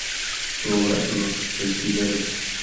Su obra: ""Los Celtíberos.